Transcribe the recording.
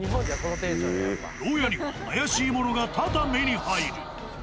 牢屋には怪しいものが多々目に入る。